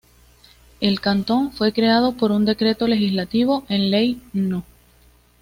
El cantón fue creado por un Decreto Legislativo en ley No.